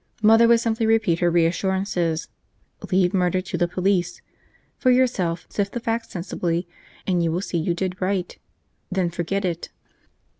Mother would simply repeat her reassurances. Leave murder to the police. For yourself, sift the facts sensibly and you will see you did right, then forget it.